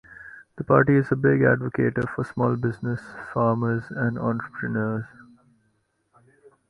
The party is a big advocator for small-business, farmers and entrepreneurs.